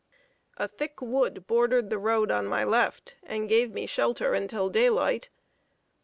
A thick wood bordered the road on my left, and gave me shelter until daylight.